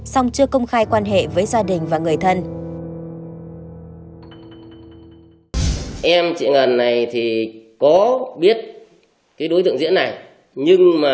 song chưa công khai quan hệ với gia đình và người thân